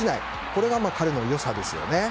これが彼の良さですよね。